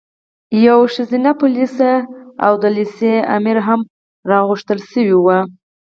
یوه ښځینه پولیسه او د لېسې امره هم راغوښتل شوې وه.